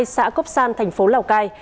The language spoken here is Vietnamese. xã cốc san thành phố lào cai